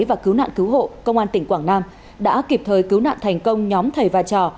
và cứu nạn cứu hộ công an tỉnh quảng nam đã kịp thời cứu nạn thành công nhóm thầy và trò